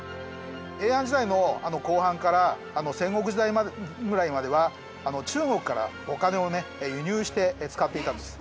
平安時代の後半から戦国時代ぐらいまでは中国からお金をね輸入して使っていたんです。